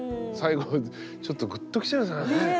最後ちょっとぐっときちゃいましたね。